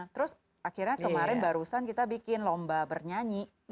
terus akhirnya kemarin barusan kita bikin lomba bernyanyi